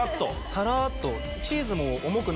さらっと。